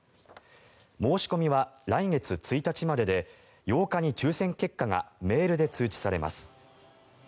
申し込みは来月１日までで８日に抽選結果がメールで通知されます。